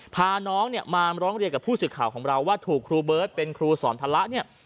พาน้องเนี่ยมาร้องเรียนกับผู้สื่อข่าวของเราว่าถูกครูเบิร์ตเป็นครูสอนธละเนี่ย